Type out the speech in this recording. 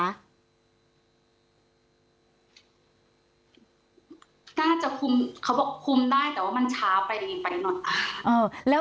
กล้าจะคุมเขาบอกคุมได้แต่ว่ามันช้าไปหน่อย